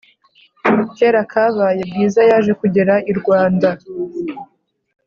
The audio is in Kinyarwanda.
Kera kabaye bwiza yaje kugera irwanda